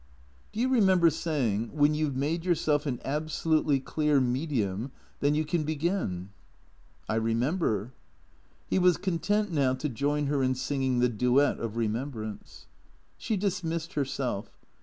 " Do you remember saying, ' When you 've made yourself an absolutely clear medium, then you can begin '?"" I remember." He was content now to join her in singing the duet of re membrance. She dismissed herself.